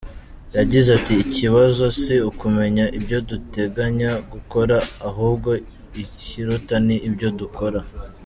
Yagize ati “Ikibazo si ukumenya ibyo duteganya gukora ahubwo ikiruta ni ibyo dukora.